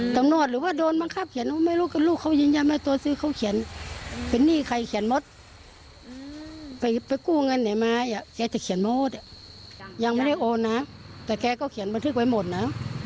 แต่แกก็เขียนบันทึกไว้หมดนะ